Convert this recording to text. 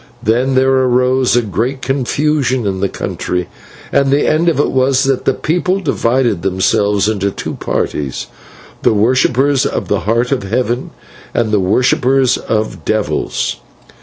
Then there arose a great confusion in that country, and the end of it was that the people divided themselves into two parties, the worshippers of the Heart of Heaven and the worshippers of devils.